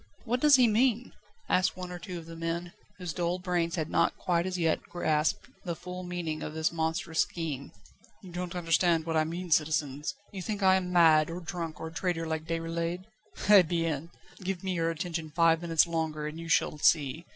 "What does he mean?" asked one or two of the men, whose dull brains had not quite as yet grasped the full meaning of this monstrous scheme. "You don't understand what I mean, citizens; you think I am mad, or drunk, or a traitor like Déroulède? Eh bien! give me your attention five minutes longer, and you shall see.